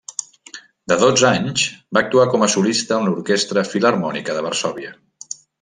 De dotze anys, va actuar com a solista amb l'Orquestra Filharmònica de Varsòvia.